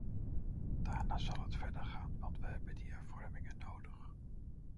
Daarna zal het verder gaan, want we hebben die hervormingen nodig.